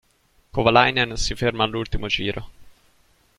Kovalainen si ferma all'ultimo giro.